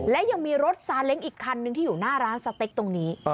และยังมีรถซาเล้งอีกคันนึงที่อยู่หน้าร้านสเต็กตรงนี้